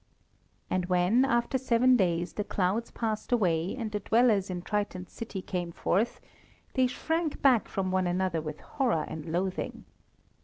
And when, after seven days, the clouds passed away and the dwellers in Triton's city came forth, they shrank back from one another with horror and loathing.